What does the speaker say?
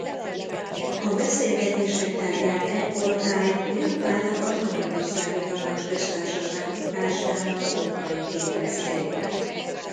A beszélgetések tárgyát ekkortájt jobbára a Magyarországi Tanácsköztársaság bukásának okai képezték.